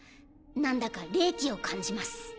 何だか冷気を感じます。